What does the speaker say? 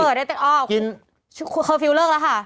เมิดได้ตั้งออกคอร์ฟิวเลิกแล้วค่ะ